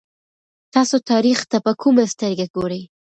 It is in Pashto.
تاسو تاریخ ته په کومه سترګه ګورئ؟